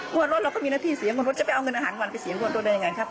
ว่ารถเราก็มีหน้าที่เสียบนรถจะไปเอาเงินอาหารวันไปเสียรวมตัวได้ยังไงครับ